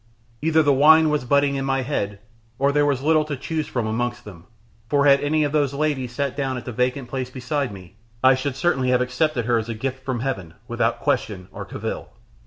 Either the wine was budding in my head, or there was little to choose from amongst them, for had any of those ladies sat down in the vacant place beside me, I should certainly have accepted her as a gift from heaven, without question or cavil.